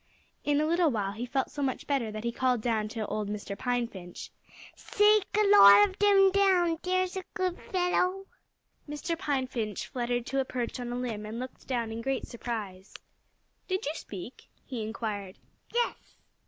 In a little while he felt so much better that he called out to Mr. Pine Finch: "Shake a lot of 'em down there's a good fellow!" Mr. Pine Finch fluttered to a perch on a limb and looked down in great surprise. "Did you speak?" he inquired. "Yes!"